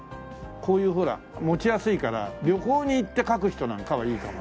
こういうほら持ちやすいから旅行に行って描く人なんかはいいかもね。